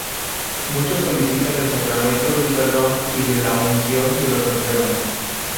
Muchos solicitan el sacramento del perdón y de la unción de los enfermos.